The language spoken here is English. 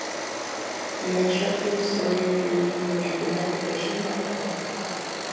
An extract from the story appeared in the paperback edition of "By Royal Command".